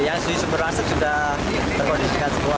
yang di seberang aset sudah terkondisikan semua